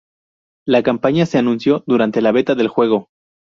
La campaña se anunció durante la beta del juego.